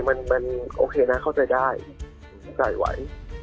ลงกันเป็น๒๕๐บาทโอเคนะเข้าใจได้ใส่ไว้